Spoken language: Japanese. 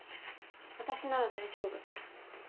私なら大丈夫。